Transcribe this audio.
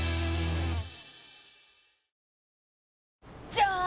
じゃーん！